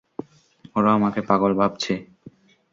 ওরা আমাকে পাগল ভাবছে।